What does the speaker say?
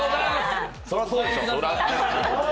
そりゃ、そうでしょ。